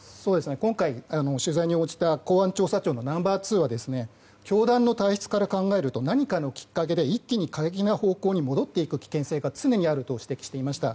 今回取材に応じた公安調査庁のナンバー２は教団の体質から考えると何かのきっかけで一気に懐疑な方向に戻っていく可能性があると指摘していました。